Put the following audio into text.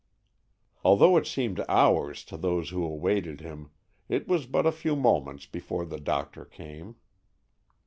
Although it seemed hours to those who awaited him, it was but a few moments before the doctor came.